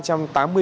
thuốc chất ma túy